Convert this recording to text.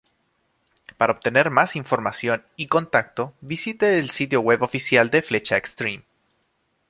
Para obtener más información y contacto, visite el sitio web oficial de Flecha Extreme.